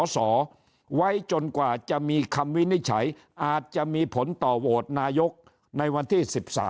สอไว้จนกว่าจะมีคำวินิจฉัยอาจจะมีผลต่อโหวตนายกในวันที่๑๓